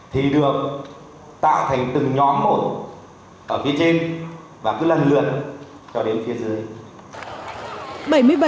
thì được tạo thành từng nhóm một ở phía trên và cứ lần lượt cho đến phía dưới